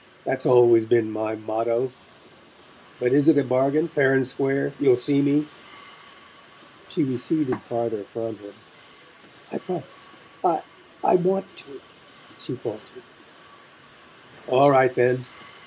That's always been my motto. But is it a bargain fair and square? You'll see me?" She receded farther from him. "I promise. I I WANT to," she faltered. "All right, then.